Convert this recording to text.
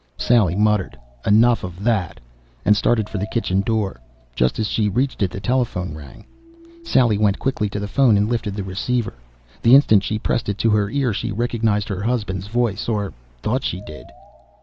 Sally muttered: "Enough of that!" and started for the kitchen door. Just as she reached it the telephone rang. Sally went quickly to the phone and lifted the receiver. The instant she pressed it to her ear she recognized her husband's voice or thought she did.